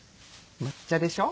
抹茶でしょ？